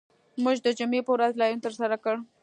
موږ د جمعې په ورځ لاریون ترسره کړ